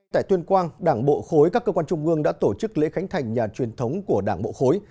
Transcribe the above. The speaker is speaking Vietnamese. tại tuyên quang đảng bộ khối các cơ quan trung ương đã tổ chức lễ khánh thành nhà truyền thống của đảng bộ khối